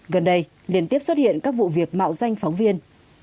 gần đây liên tiếp xuất hiện các vụ việc mạo danh phóng viên